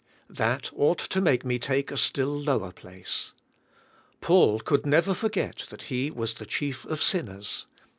That ought to make me take a still lower place. Paul never could forget that He was the chief of sinners.